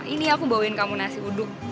ini aku bawain kamu nasi uduk